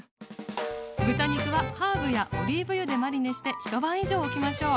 豚肉はハーブやオリーブ油でマリネして一晩以上おきましょう。